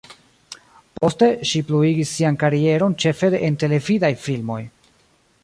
Poste, ŝi pluigis sian karieron ĉefe en televidaj filmoj.